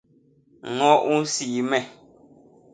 ñño u nsii me.